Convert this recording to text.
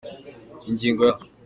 Ingingo ya